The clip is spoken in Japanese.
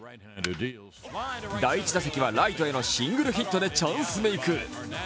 第１打席はライトへのシングルヒットでチャンスメイク。